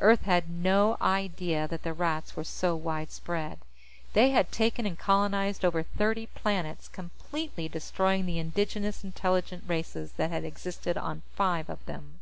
Earth had no idea that the Rats were so widespread. They had taken and colonized over thirty planets, completely destroying the indigenous intelligent races that had existed on five of them.